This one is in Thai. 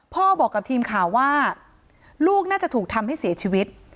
บอกกับทีมข่าวว่าลูกน่าจะถูกทำให้เสียชีวิต